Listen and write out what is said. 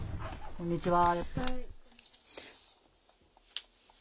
こんにちは。